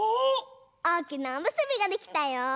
おおきなおむすびができたよ！